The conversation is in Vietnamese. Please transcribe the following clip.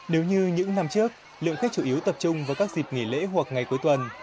nếu như những năm trước lượng khách chủ yếu tập trung vào các dịp nghỉ lễ hoặc ngày cuối tuần